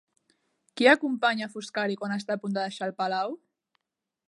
Qui acompanya Foscari quan està a punt de deixar el palau?